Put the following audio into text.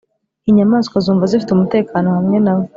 inyamaswa zumva zifite umutekano hamwe na we,